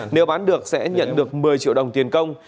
nếu bán được sẽ nhận được một mươi triệu đồng tiền công